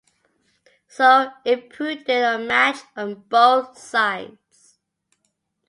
So imprudent a match on both sides!